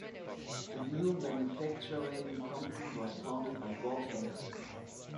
The new manufacturing company was founded by Bob Henderson.